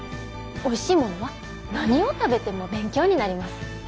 おいしいものは何を食べても勉強になります。